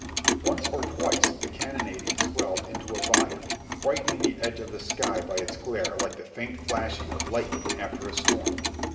Once or twice the cannonading swelled into a volume, brighten ing the edge of the sky by its glare like the faint flashing of light ning after a storm.